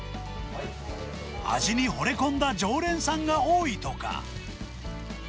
味にほれ込んだ常連さんが多いとか。